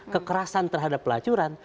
kekerasan terhadap pelacuran